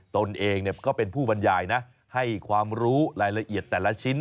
ตนเองก็เป็นผู้บรรยายนะให้ความรู้รายละเอียดแต่ละชิ้น